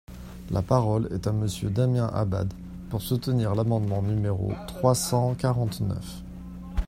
La parole est à Monsieur Damien Abad, pour soutenir l’amendement numéro trois cent quarante-neuf.